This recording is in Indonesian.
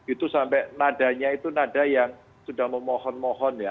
itu sampai nadanya itu nada yang sudah memohon mohon ya